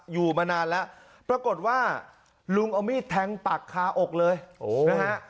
อยู่มานานแล้วปรากฏว่าลุงเอามีดแทงปักคาอกเลยนะฮะ